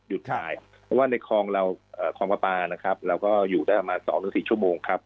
ถ่ายเพราะว่าในคลองเราคลองปลาปลานะครับเราก็อยู่ได้ประมาณ๒๔ชั่วโมงครับ